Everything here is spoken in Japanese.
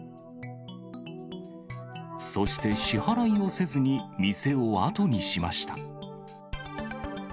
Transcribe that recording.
そして支払いをせずに店を後にしました。